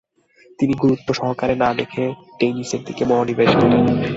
তিনি গুরুত্ব সহকারে না দেখে টেনিসের দিকে মনোনিবেশ ঘটান।